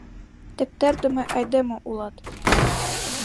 Тептердыме айдеме улат.